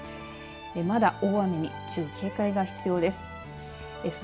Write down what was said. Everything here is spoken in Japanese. まだ大雨に注意、警戒が必要です。